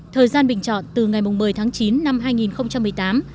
thời gian bình chọn từ ngày một mươi tháng chín năm hai nghìn một mươi tám